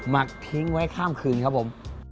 หักทิ้งไว้ข้ามคืนครับผม